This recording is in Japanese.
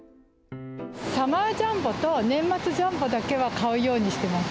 サマージャンボと、年末ジャンボだけは買うようにしています。